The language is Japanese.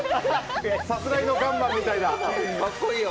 さすらいのガンマンみたいな。